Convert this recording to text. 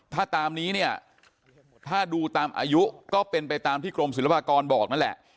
ถ้าตามนี้เนี่ยถ้าดูตามอายุก็เป็นไปตามที่กรมศิลปากรบอกนั่นแหละ